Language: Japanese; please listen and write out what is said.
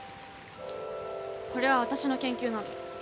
これは私の研究なの。